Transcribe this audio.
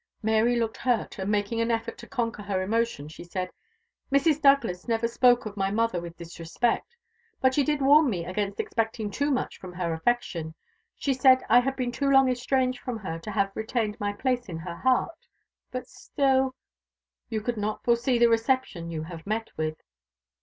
Mary looked hurt, and making an effort to conquer her emotion, she said, "Mrs. Douglas never spoke, of my mother with disrespect; but she did warn me against expecting too much from her affection. She said I had been too long estranged from her to have retained my place in her heart; but still " "You could not foresee the reception you have me with?